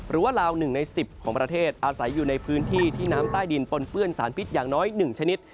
ลาว๑ใน๑๐ของประเทศอาศัยอยู่ในพื้นที่ที่น้ำใต้ดินปนเปื้อนสารพิษอย่างน้อย๑ชนิด